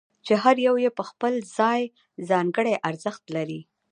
چې هر یو یې په خپل ځای ځانګړی ارزښت لري.